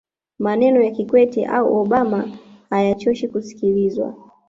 maneno ya kikwete au obama hayachoshi kusikilizwa